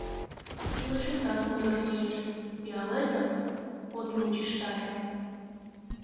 Илышетат мотор лиеш, пиалетым от мучыштаре.